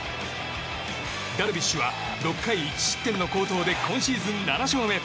ダルビッシュは６回１失点の好投で今シーズン７勝目。